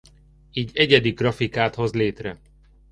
Így egyedi grafikát hoz létre.